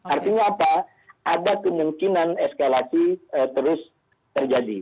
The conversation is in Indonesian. artinya apa ada kemungkinan eskalasi terus terjadi